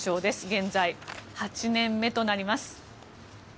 現在８年目となります。